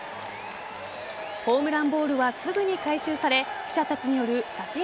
ホームランボールはすぐに回収され記者たちによる写真